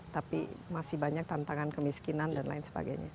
tapi masih banyak tantangan kemiskinan dan lain sebagainya